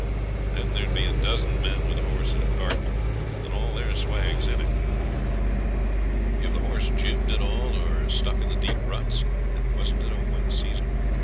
Then there'd be a dozen men, with a horse and cart, and all their swags in it. If the horse jibbed at all, or stuck in the deep ruts and wasn't it a wet season?